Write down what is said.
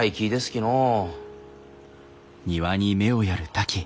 きのう。